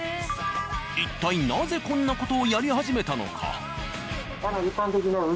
一体なぜこんな事をやり始めたのか？